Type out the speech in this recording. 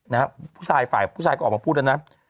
นะฮะผู้ชายฝ่ายผู้ชายก็ออกมาพูดแล้วนะ